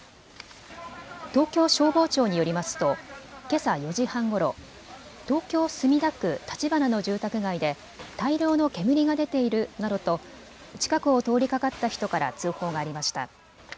東京消防庁によりますとけさ４時半ごろ、東京墨田区立花の住宅街で大量の煙が出ているなどと近くを通りかかった人から通報がありました。